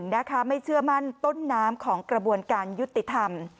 นะคะไม่เชื่อมั่นต้นน้ำของกระบวนการยุติธรรม